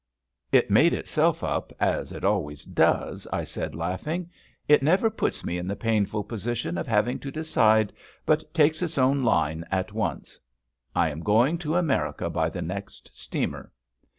"It made itself up, as it always does," I said, laughing. "It never puts me in the painful position of having to decide, but takes its own line at once. I am going to America by the next steamer."